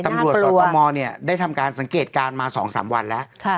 น่าปลัวตำรวจสตร์ตมเนี้ยได้ทำการสังเกตการณ์มาสองสามวันแล้วค่ะ